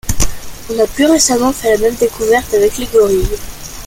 On a plus récemment fait la même découverte avec les gorilles.